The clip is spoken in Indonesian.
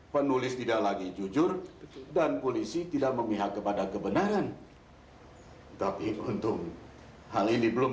penulis tidak lagi jujur dan polisi tidak memihak kepada kebenaran tapi untung hal ini belum